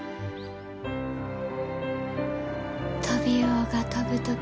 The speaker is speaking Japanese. トビウオが飛ぶとき